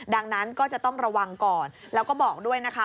ดังนั้นก็จะต้องระวังก่อนแล้วก็บอกด้วยนะคะ